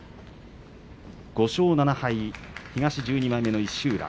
５勝７敗、東１２枚目の石浦。